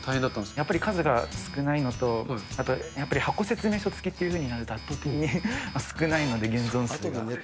やっぱり数が少ないのと、やっぱり箱、説明書付きっていうと圧倒的に少ないので現存数が。